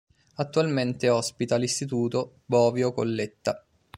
Attualmente ospita l'Istituto Bovio-Colletta.